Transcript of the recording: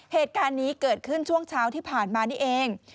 เหตุการณ์นี้เกิดขึ้นช่วงเช้าที่ผ่านมานี่เอง